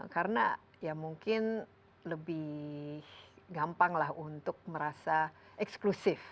karena ya mungkin lebih gampanglah untuk merasa eksklusif